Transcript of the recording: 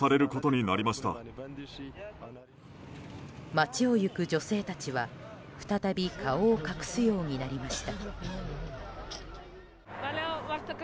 街を行く女性たちは再び顔を隠すようになりました。